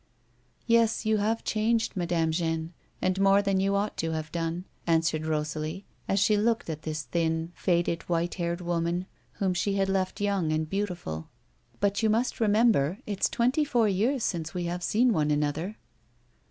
" Yes, you have changed, Madame Jeanne, and more than you ought to have done," answered Rosalie, as she looked at this thin, faded, white haired woman, whom she had left young and beautiful ;" but you must remember it's twenty four years since we have seen one another."